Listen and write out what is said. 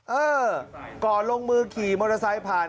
เออก่อนลงมือขี่มอเตอร์ไซค์ผ่าน